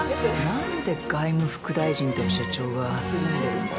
何で外務副大臣と社長がつるんでるんだろ？